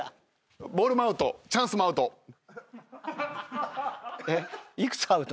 ボールもアウト「チャンス」もアウト。